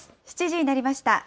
７時になりました。